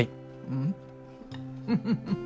うん。